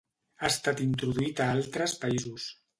Ha estat introduït a altres països.